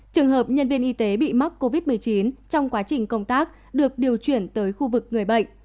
trường hợp nhân viên y tế bị mắc covid một mươi chín trong quá trình công tác được điều chuyển tới khu vực người bệnh